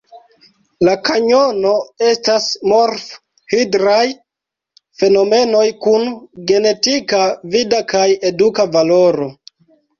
La kanjono estas morf-hidraj fenomenoj kun genetika, vida kaj eduka valoro.